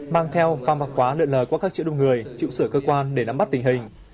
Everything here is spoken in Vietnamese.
mang theo pham vạc quá lợn lờ qua các chỗ đông người trụ sửa cơ quan để nắm bắt tình hình